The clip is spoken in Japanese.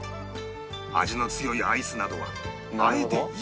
味の強いアイスなどはあえて入れていない